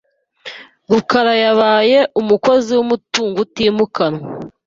rukarayabaye umukozi wumutungo utimukanwa.